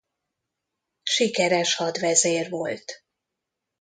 Sikeres hadvezér volt.